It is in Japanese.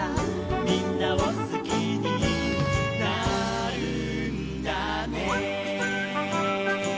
「みんなをすきになるんだね」